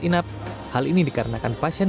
inap hal ini dikarenakan pasien